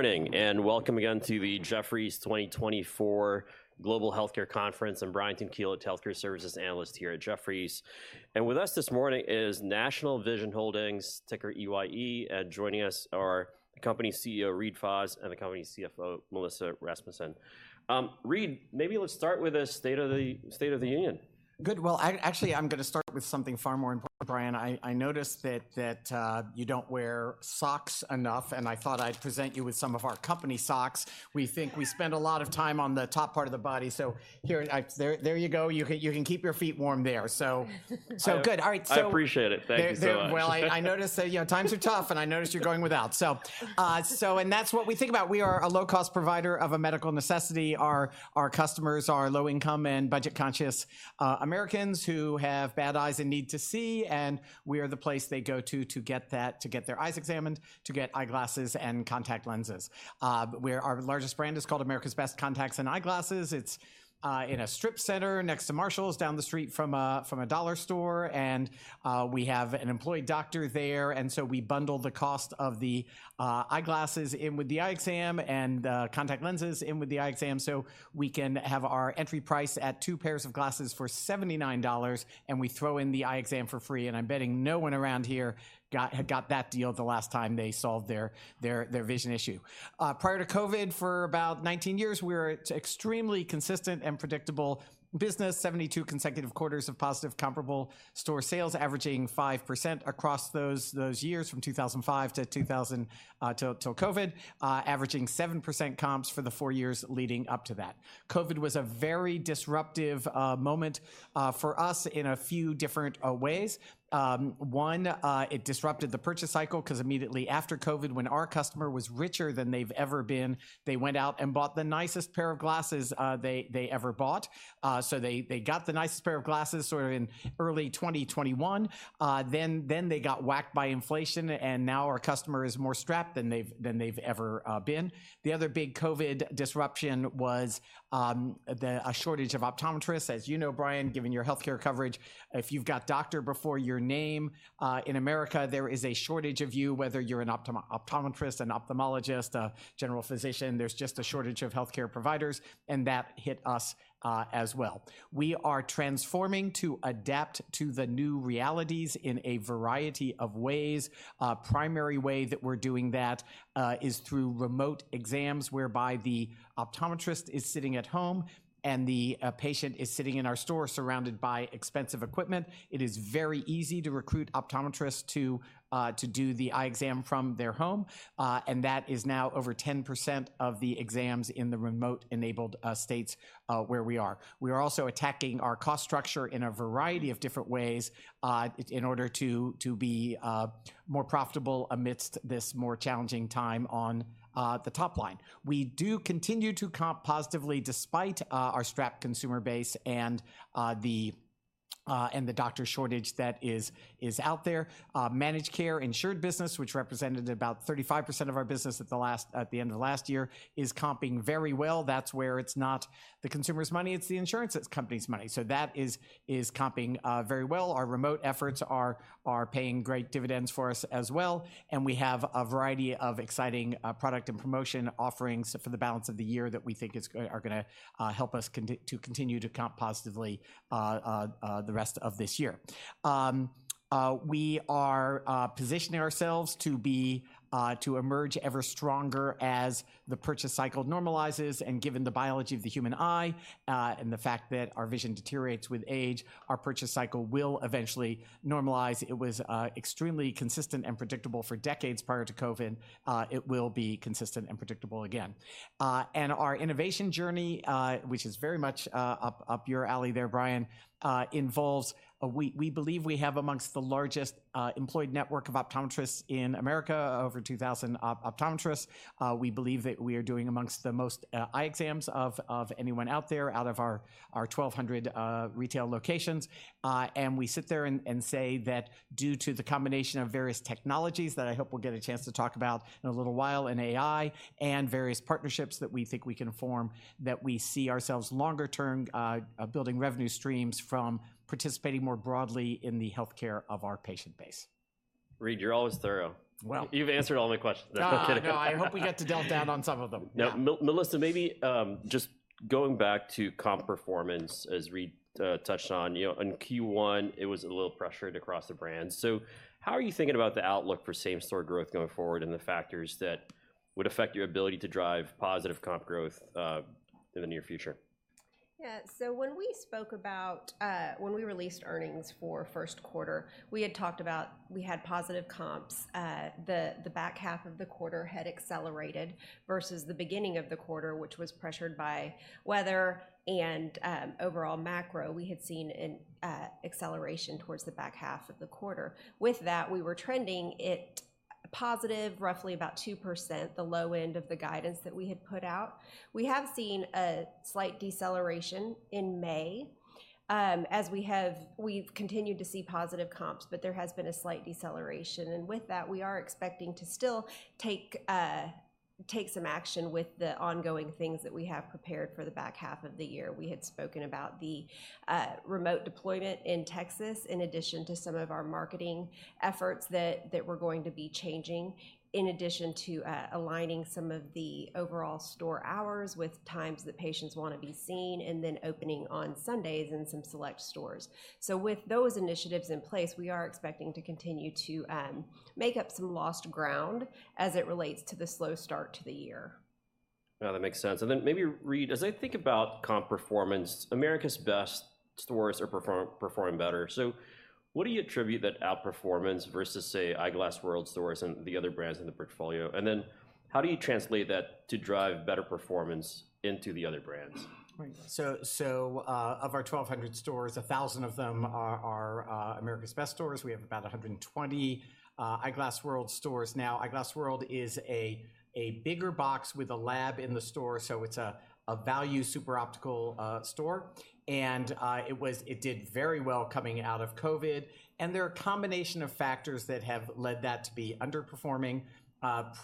Morning, and welcome again to the Jefferies 2024 Global Healthcare Conference. I'm Brian Tanquilut, healthcare services analyst here at Jefferies. With us this morning is National Vision Holdings, ticker EYE. Joining us are the company's CEO, Reade Fahs, and the company's CFO, Melissa Rasmussen. Reade, maybe let's start with a state of the union. Good. Well, actually, I'm gonna start with something far more important, Brian. I noticed that you don't wear socks enough, and I thought I'd present you with some of our company socks. We think we spend a lot of time on the top part of the body, so here, there you go. You can keep your feet warm there. So good. All right, so- I appreciate it. Thank you so much. There, there... Well, I noticed that, you know, times are tough, and I noticed you're going without, so and that's what we think about. We are a low-cost provider of a medical necessity. Our customers are low income and budget-conscious Americans who have bad eyes and need to see, and we are the place they go to to get that, to get their eyes examined, to get eyeglasses, and contact lenses. Where our largest brand is called America's Best Contacts and Eyeglasses. It's in a strip center next to Marshalls, down the street from a dollar store, and we have an employee doctor there, and so we bundle the cost of the eyeglasses in with the eye exam and contact lenses in with the eye exam. So we can have our entry price at two pairs of glasses for $79, and we throw in the eye exam for free, and I'm betting no one around here got that deal the last time they solved their vision issue. Prior to COVID, for about 19 years, we were at extremely consistent and predictable business, 72 consecutive quarters of positive comparable store sales, averaging 5% across those years from 2005 to 2020 till COVID, averaging 7% comps for the 4 years leading up to that. COVID was a very disruptive moment for us in a few different ways. One, it disrupted the purchase cycle 'cause immediately after COVID, when our customer was richer than they've ever been, they went out and bought the nicest pair of glasses they ever bought. So they got the nicest pair of glasses sort of in early 2021. Then they got whacked by inflation, and now our customer is more strapped than they've ever been. The other big COVID disruption was a shortage of optometrists. As you know, Brian, given your healthcare coverage, if you've got doctor before your name in America, there is a shortage of you, whether you're an optometrist, an ophthalmologist, a general physician. There's just a shortage of healthcare providers, and that hit us as well. We are transforming to adapt to the new realities in a variety of ways. Primary way that we're doing that is through remote exams, whereby the optometrist is sitting at home, and the patient is sitting in our store surrounded by expensive equipment. It is very easy to recruit optometrists to do the eye exam from their home, and that is now over 10% of the exams in the remote-enabled states where we are. We are also attacking our cost structure in a variety of different ways in order to be more profitable amidst this more challenging time on the top line. We do continue to comp positively despite our strapped consumer base and the doctor shortage that is out there. Managed care, insured business, which represented about 35% of our business at the end of last year, is comping very well. That's where it's not the consumer's money, it's the insurance company's money. So that is comping very well. Our remote efforts are paying great dividends for us as well, and we have a variety of exciting product and promotion offerings for the balance of the year that we think are gonna help us to continue to comp positively the rest of this year. We are positioning ourselves to emerge ever stronger as the purchase cycle normalizes, and given the biology of the human eye and the fact that our vision deteriorates with age, our purchase cycle will eventually normalize. It was extremely consistent and predictable for decades prior to COVID. It will be consistent and predictable again. And our innovation journey, which is very much up your alley there, Brian, involves. We believe we have among the largest employed network of optometrists in America, over 2,000 optometrists. We believe that we are doing among the most eye exams of anyone out there, out of our 1,200 retail locations. And we sit there and say that due to the combination of various technologies, that I hope we'll get a chance to talk about in a little while, and AI, and various partnerships that we think we can form, that we see ourselves longer term building revenue streams from participating more broadly in the healthcare of our patient base. Reade, you're always thorough. Well- You've answered all my questions. Ah, no, I hope we get to delve down on some of them. Yeah. Now, Melissa, maybe just going back to comp performance, as Reade touched on, you know, in Q1, it was a little pressured across the brand. So how are you thinking about the outlook for same-store growth going forward and the factors that would affect your ability to drive positive comp growth in the near future? Yeah. So when we spoke about when we released earnings for first quarter, we had talked about we had positive comps. The back half of the quarter had accelerated versus the beginning of the quarter, which was pressured by weather and overall macro. We had seen an acceleration towards the back half of the quarter. With that, we were trending at positive, roughly about 2%, the low end of the guidance that we had put out. We have seen a slight deceleration in May, as we have, we've continued to see positive comps, but there has been a slight deceleration, and with that, we are expecting to still take some action with the ongoing things that we have prepared for the back half of the year. We had spoken about the remote deployment in Texas, in addition to some of our marketing efforts that, that we're going to be changing, in addition to aligning some of the overall store hours with times that patients wanna be seen, and then opening on Sundays in some select stores. So with those initiatives in place, we are expecting to continue to make up some lost ground as it relates to the slow start to the year. Now, that makes sense. And then maybe, Reade, as I think about comp performance, America's Best stores are performing better. So what do you attribute that outperformance versus, say, Eyeglass World stores and the other brands in the portfolio? And then how do you translate that to drive better performance into the other brands? Right. So, of our 1,200 stores, 1,000 of them are America's Best stores. We have about 120 Eyeglass World stores now. Eyeglass World is a bigger box with a lab in the store, so it's a value super optical store. It was. It did very well coming out of COVID, and there are a combination of factors that have led that to be underperforming,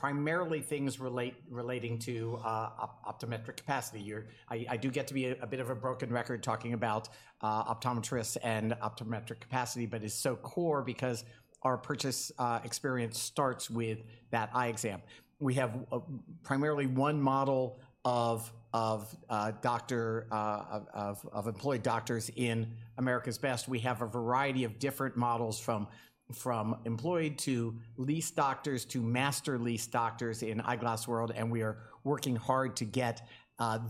primarily things relating to optometric capacity. I do get to be a bit of a broken record talking about optometrists and optometric capacity, but it's so core because our purchase experience starts with that eye exam. We have primarily one model of employed doctors in America's Best. We have a variety of different models, from employed to leased doctors, to master leased doctors in Eyeglass World, and we are working hard to get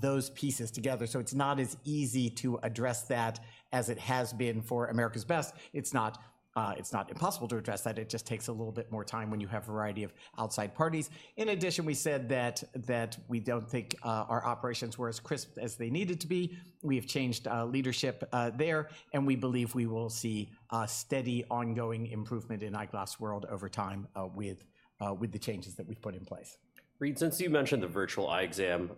those pieces together, so it's not as easy to address that as it has been for America's Best. It's not impossible to address that. It just takes a little bit more time when you have a variety of outside parties. In addition, we said that we don't think our operations were as crisp as they needed to be. We have changed leadership there, and we believe we will see a steady, ongoing improvement in Eyeglass World over time with the changes that we've put in place. Reade, since you mentioned the virtual eye exam,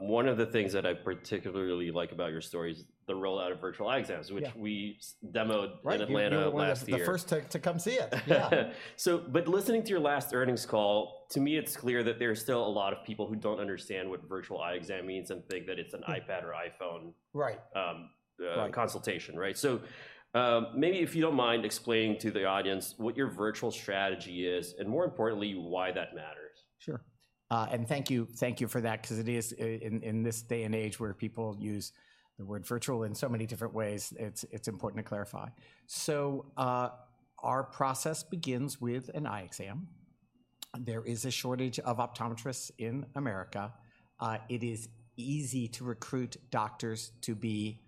one of the things that I particularly like about your story is the rollout of virtual eye exams. Yeah... which we demoed- Right in Atlanta last year. You were one of the first to come see it. Yeah. But listening to your last earnings call, to me, it's clear that there are still a lot of people who don't understand what virtual eye exam means and think that it's an iPad or iPhone Right... consultation. Right? So, maybe if you don't mind explaining to the audience what your virtual strategy is and, more importantly, why that matters. Sure. And thank you, thank you for that because it is in this day and age where people use the word virtual in so many different ways, it's important to clarify. So, our process begins with an eye exam. There is a shortage of optometrists in America. It is easy to recruit doctors to be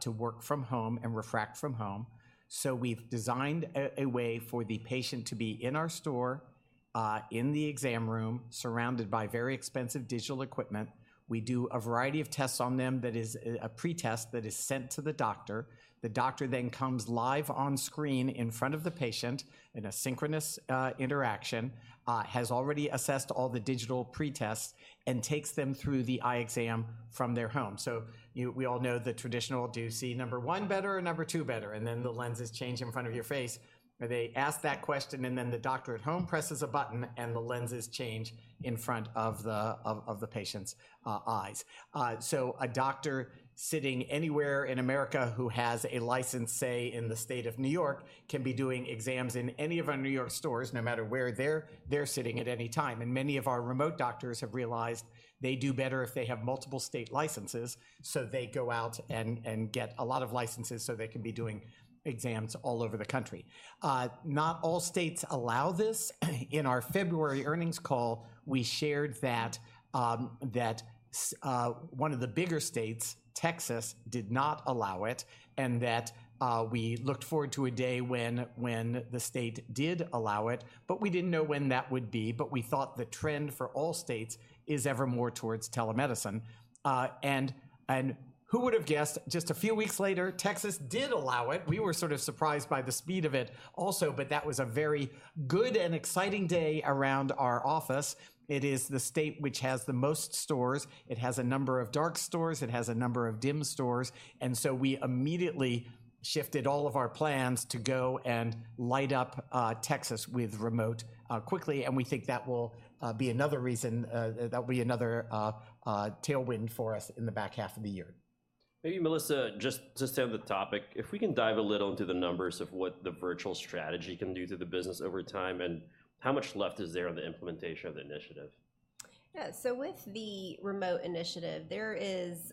to work from home and refract from home. So we've designed a way for the patient to be in our store in the exam room, surrounded by very expensive digital equipment. We do a variety of tests on them that is a pretest that is sent to the doctor. The doctor then comes live on screen in front of the patient in a synchronous interaction, has already assessed all the digital pretests and takes them through the eye exam from their home. So we all know the traditional, "Do you see number one better or number two better?" And then the lenses change in front of your face, or they ask that question, and then the doctor at home presses a button, and the lenses change in front of the patient's eyes. So a doctor sitting anywhere in America who has a license, say, in the state of New York, can be doing exams in any of our New York stores, no matter where they're sitting at any time. And many of our remote doctors have realized they do better if they have multiple state licenses, so they go out and get a lot of licenses so they can be doing exams all over the country. Not all states allow this. In our February earnings call, we shared that one of the bigger states, Texas, did not allow it, and that we looked forward to a day when the state did allow it, but we didn't know when that would be. But we thought the trend for all states is ever more towards telemedicine. And who would have guessed, just a few weeks later, Texas did allow it? We were sort of surprised by the speed of it also, but that was a very good and exciting day around our office. It is the state which has the most stores. It has a number of dark stores. It has a number of dim stores, and so we immediately shifted all of our plans to go and light up Texas with remote quickly, and we think that will be another reason that will be another tailwind for us in the back half of the year. Maybe, Melissa, just, just to stay on the topic, if we can dive a little into the numbers of what the virtual strategy can do to the business over time, and how much left is there on the implementation of the initiative?... Yeah, so with the remote initiative, there is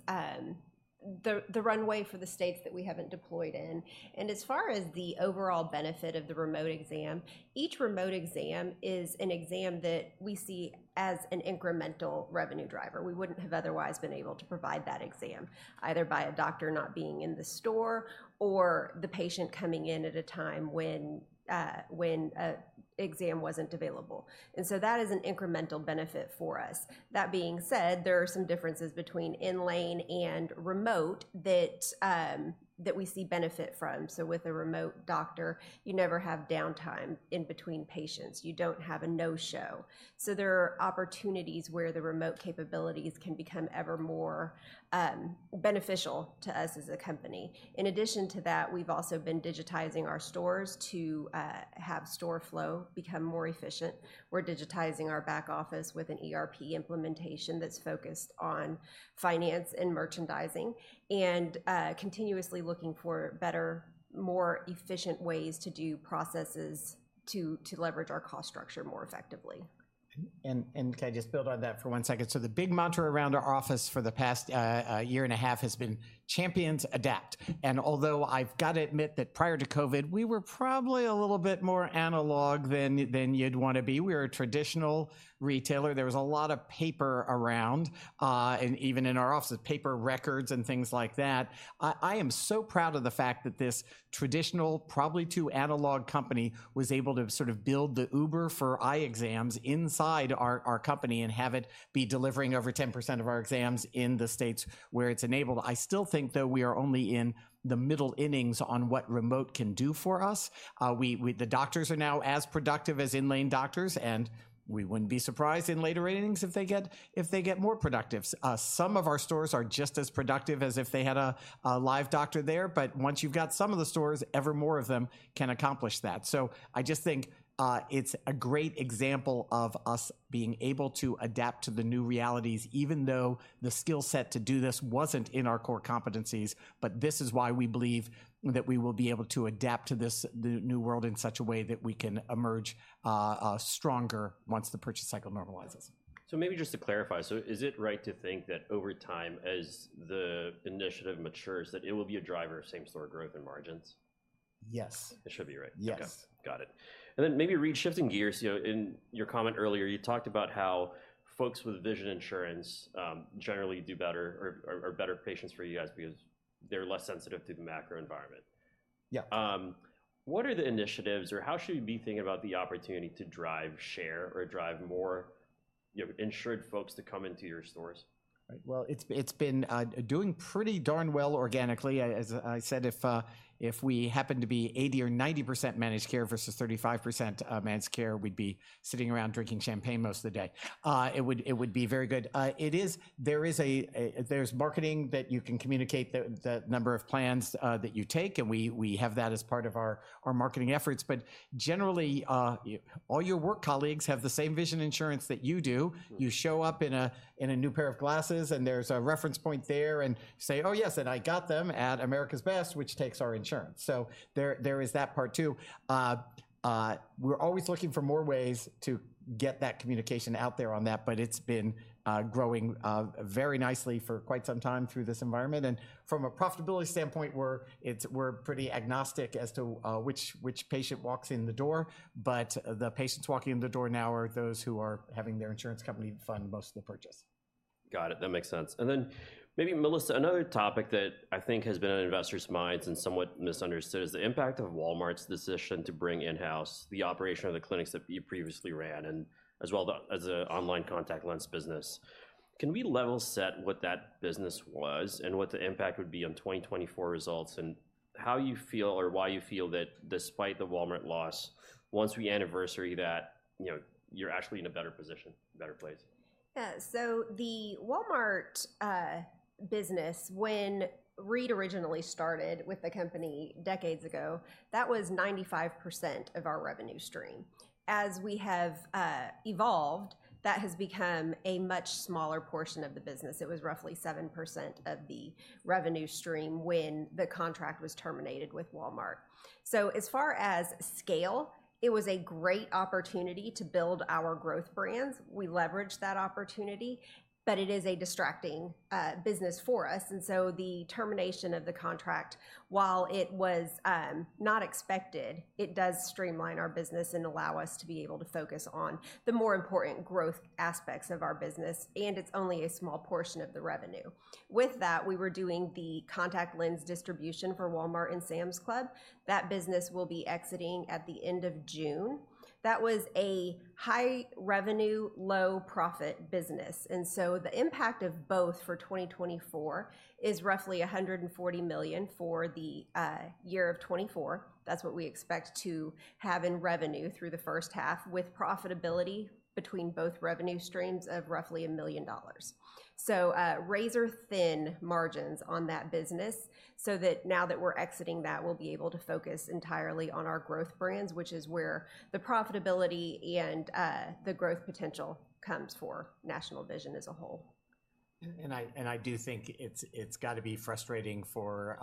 the runway for the states that we haven't deployed in. And as far as the overall benefit of the remote exam, each remote exam is an exam that we see as an incremental revenue driver. We wouldn't have otherwise been able to provide that exam, either by a doctor not being in the store or the patient coming in at a time when an exam wasn't available. And so that is an incremental benefit for us. That being said, there are some differences between in-lane and remote that we see benefit from. So with a remote doctor, you never have downtime in between patients. You don't have a no-show. So there are opportunities where the remote capabilities can become ever more beneficial to us as a company. In addition to that, we've also been digitizing our stores to have store flow become more efficient. We're digitizing our back office with an ERP implementation that's focused on finance and merchandising, and continuously looking for better, more efficient ways to do processes to leverage our cost structure more effectively. Can I just build on that for one second? So the big mantra around our office for the past year and a half has been "champions adapt." Although I've got to admit that prior to COVID, we were probably a little bit more analog than you'd wanna be. We're a traditional retailer. There was a lot of paper around, and even in our offices, paper records and things like that. I am so proud of the fact that this traditional, probably too analog company, was able to sort of build the Uber for eye exams inside our company and have it be delivering over 10% of our exams in the states where it's enabled. I still think, though, we are only in the middle innings on what remote can do for us. We, the doctors are now as productive as in-lane doctors, and we wouldn't be surprised in later innings if they get more productive. Some of our stores are just as productive as if they had a live doctor there, but once you've got some of the stores, ever more of them can accomplish that. So I just think it's a great example of us being able to adapt to the new realities, even though the skill set to do this wasn't in our core competencies. But this is why we believe that we will be able to adapt to this, the new world, in such a way that we can emerge stronger once the purchase cycle normalizes. So maybe just to clarify: so is it right to think that over time, as the initiative matures, that it will be a driver of same-store growth and margins? Yes. It should be right? Yes. Okay, got it. And then maybe Reade, shifting gears, you know, in your comment earlier, you talked about how folks with vision insurance generally do better or are better patients for you guys because they're less sensitive to the macro environment. Yeah. What are the initiatives, or how should we be thinking about the opportunity to drive share or drive more, you know, insured folks to come into your stores? Right. Well, it's been doing pretty darn well organically. As I said, if we happen to be 80% or 90% managed care versus 35% managed care, we'd be sitting around drinking champagne most of the day. It would be very good. It is. There is a, there's marketing that you can communicate the number of plans that you take, and we have that as part of our marketing efforts. But generally, all your work colleagues have the same vision insurance that you do. You show up in a new pair of glasses, and there's a reference point there, and you say, "Oh, yes, and I got them at America's Best," which takes our insurance. So there is that part, too. We're always looking for more ways to get that communication out there on that, but it's been growing very nicely for quite some time through this environment. And from a profitability standpoint, it's, we're pretty agnostic as to which patient walks in the door, but the patients walking in the door now are those who are having their insurance company fund most of the purchase. Got it. That makes sense. And then maybe, Melissa, another topic that I think has been on investors' minds and somewhat misunderstood is the impact of Walmart's decision to bring in-house the operation of the clinics that you previously ran, and as well as the online contact lens business. Can we level set what that business was, and what the impact would be on 2024 results, and how you feel or why you feel that despite the Walmart loss, once we anniversary that, you know, you're actually in a better position, a better place? Yeah. So the Walmart business, when Reade originally started with the company decades ago, that was 95% of our revenue stream. As we have evolved, that has become a much smaller portion of the business. It was roughly 7% of the revenue stream when the contract was terminated with Walmart. So as far as scale, it was a great opportunity to build our growth brands. We leveraged that opportunity, but it is a distracting business for us, and so the termination of the contract, while it was not expected, it does streamline our business and allow us to be able to focus on the more important growth aspects of our business, and it's only a small portion of the revenue. With that, we were doing the contact lens distribution for Walmart and Sam's Club. That business will be exiting at the end of June. That was a high-revenue, low-profit business, and so the impact of both for 2024 is roughly $140 million for the year of 2024. That's what we expect to have in revenue through the first half, with profitability between both revenue streams of roughly $1 million. So, razor-thin margins on that business, so that now that we're exiting that, we'll be able to focus entirely on our growth brands, which is where the profitability and the growth potential comes for National Vision as a whole. And I do think it's gotta be frustrating for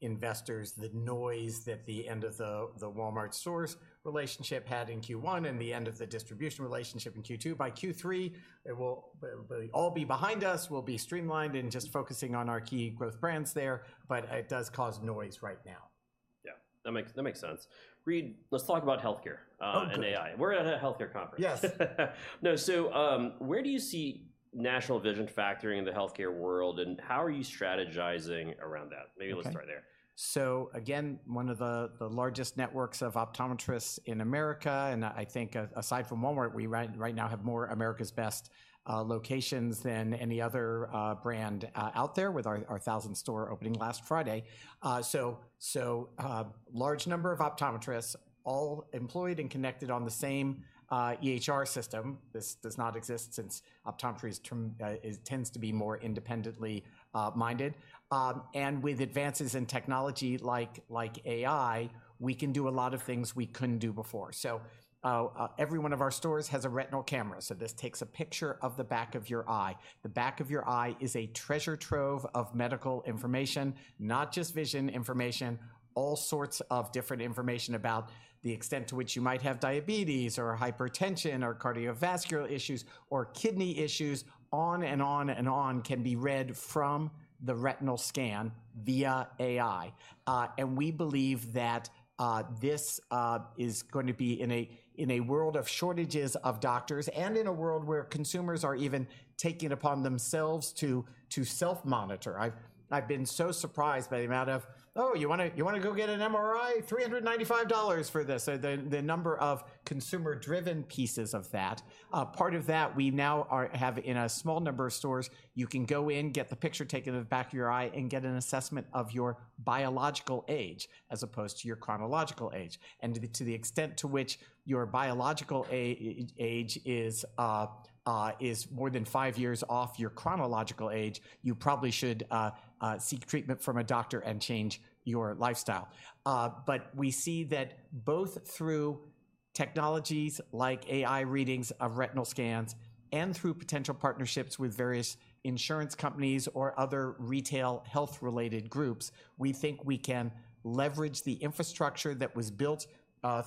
investors, the noise that the end of the Walmart source relationship had in Q1 and the end of the distribution relationship in Q2. By Q3, it will all be behind us. We'll be streamlined and just focusing on our key growth brands there, but it does cause noise right now. Yeah, that makes sense. Reade, let's talk about healthcare- Okay. and AI. We're at a healthcare conference. Yes. No, so, where do you see National Vision factoring in the healthcare world, and how are you strategizing around that? Okay. Maybe let's start there. So again, one of the largest networks of optometrists in America, and I think aside from Walmart, we right now have more America's Best locations than any other brand out there with our 1,000th store opening last Friday. So, large number of optometrists, all employed and connected on the same EHR system. This does not exist since optometry tends to be more independently minded. And with advances in technology, like AI, we can do a lot of things we couldn't do before. So, every one of our stores has a retinal camera, so this takes a picture of the back of your eye. The back of your eye is a treasure trove of medical information, not just vision information, all sorts of different information about the extent to which you might have diabetes or hypertension or cardiovascular issues or kidney issues, on and on and on, can be read from the retinal scan via AI. And we believe that this is going to be in a world of shortages of doctors and in a world where consumers are even taking it upon themselves to self-monitor. I've, I've been so surprised by the amount of, "Oh, you wanna, you wanna go get an MRI? $395 for this," the, the number of consumer-driven pieces of that. Part of that, we now have in a small number of stores, you can go in, get the picture taken of the back of your eye, and get an assessment of your biological age as opposed to your chronological age, and to the extent to which your biological age is more than five years off your chronological age, you probably should seek treatment from a doctor and change your lifestyle. But we see that both through technologies like AI readings of retinal scans and through potential partnerships with various insurance companies or other retail health-related groups, we think we can leverage the infrastructure that was built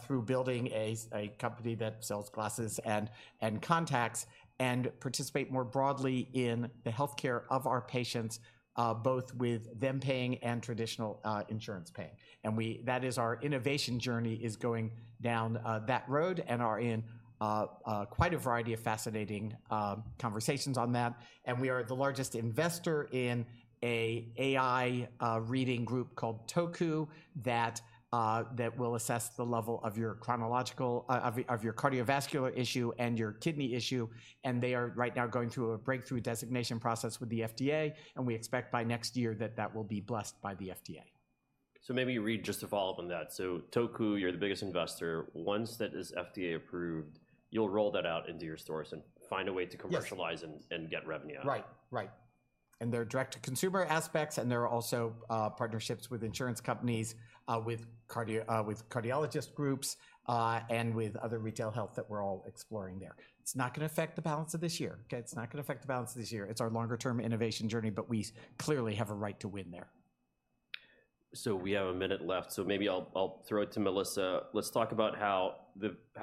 through building a company that sells glasses and contacts and participate more broadly in the healthcare of our patients, both with them paying and traditional insurance paying. That is our innovation journey going down that road and are in quite a variety of fascinating conversations on that. We are the largest investor in an AI reading group called Toku that will assess the level of your chronological, of your cardiovascular issue and your kidney issue, and they are right now going through a breakthrough designation process with the FDA. We expect by next year that that will be blessed by the FDA. So maybe, Reade, just to follow up on that, so Toku, you're the biggest investor. Once that is FDA approved, you'll roll that out into your stores and find a way to commercialize- Yes... and get revenue out of it. Right. Right. And there are direct-to-consumer aspects, and there are also, partnerships with insurance companies, with cardio, with cardiologist groups, and with other retail health that we're all exploring there. It's not gonna affect the balance of this year, okay? It's not gonna affect the balance of this year. It's our longer-term innovation journey, but we clearly have a right to win there. So we have a minute left, so maybe I'll, I'll throw it to Melissa. Let's talk about how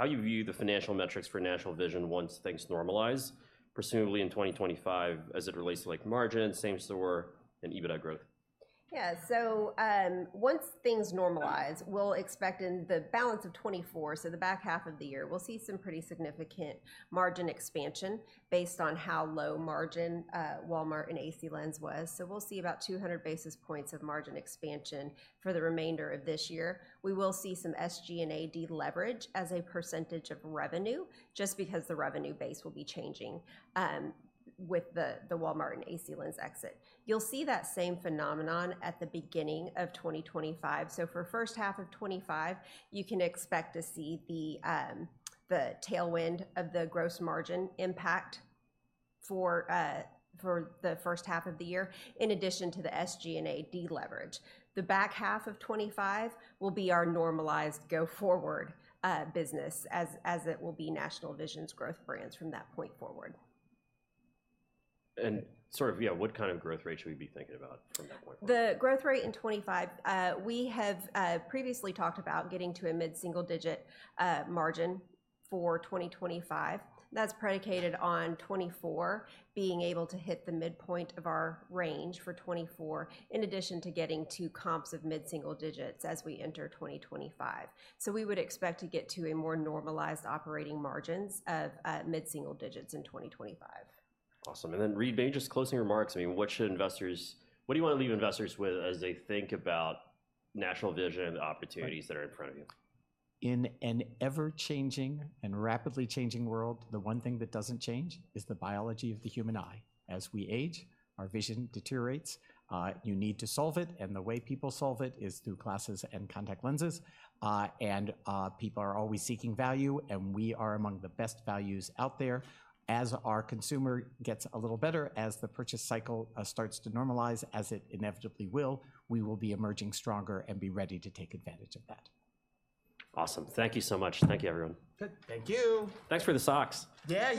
you view the financial metrics for National Vision once things normalize, presumably in 2025, as it relates to, like, margin, same store, and EBITDA growth. Yeah, so once things normalize, we'll expect in the balance of 2024, so the back half of the year, we'll see some pretty significant margin expansion based on how low margin Walmart and AC Lens was. So we'll see about 200 basis points of margin expansion for the remainder of this year. We will see some SG&A deleverage as a percentage of revenue just because the revenue base will be changing with the Walmart and AC Lens exit. You'll see that same phenomenon at the beginning of 2025. So for first half of 2025, you can expect to see the tailwind of the gross margin impact for the first half of the year, in addition to the SG&A deleverage. The back half of 2025 will be our normalized go-forward business as it will be National Vision's growth brands from that point forward. Sort of, yeah, what kind of growth rate should we be thinking about from that point forward? The growth rate in 2025, we have previously talked about getting to a mid-single-digit margin for 2025. That's predicated on 2024 being able to hit the midpoint of our range for 2024, in addition to getting to comps of mid-single digits as we enter 2025. So we would expect to get to a more normalized operating margins of mid-single digits in 2025. Awesome. And then, Reade, maybe just closing remarks. I mean, what should investors... What do you wanna leave investors with as they think about National Vision and the opportunities- Right... that are in front of you? In an ever-changing and rapidly changing world, the one thing that doesn't change is the biology of the human eye. As we age, our vision deteriorates. You need to solve it, and the way people solve it is through glasses and contact lenses. People are always seeking value, and we are among the best values out there. As our consumer gets a little better, as the purchase cycle starts to normalize, as it inevitably will, we will be emerging stronger and be ready to take advantage of that. Awesome. Thank you so much. Thank you, everyone. Good. Thank you! Thanks for the socks. Yeah!